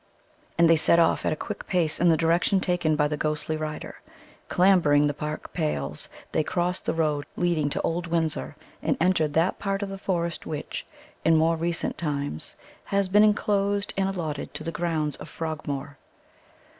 And they set off at a quick pace in the direction taken by the ghostly rider. Clambering the park pales, they crossed the road leading to Old Windsor, and entered that part of the forest which, in more recent times, has been enclosed and allotted to the grounds of Frogmore.